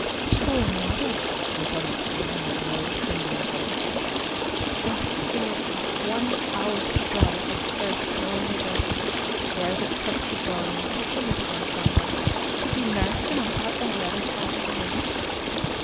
"The poor mother," went on the Queen in a low trembling voice, "durst have scarce one hour's joy of her first and only daughter, ere the trusty Gorion took the little one from her, to be nursed in a hut on the other side of the lake.